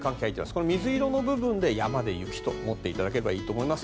これ、水色の部分で山で雪と思っていただければいいと思います。